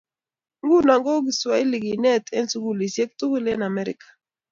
Nguno ko kiswahili kenet eng sukulisiekap sukul eng Amerika